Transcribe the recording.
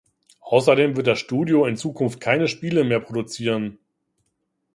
Außerdem wird das Studio in Zukunft keine Spiele mehr produzieren.